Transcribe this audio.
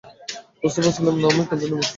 বুঝতে পারছিলাম না, আমি কোনটা নিব।